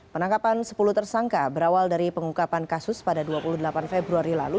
penangkapan sepuluh tersangka berawal dari pengungkapan kasus pada dua puluh delapan februari lalu